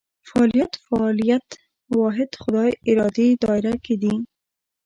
فعالیت فاعلیت واحد خدای ارادې دایره کې دي.